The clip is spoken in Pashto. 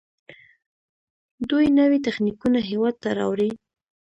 دوی نوي تخنیکونه هیواد ته راوړي.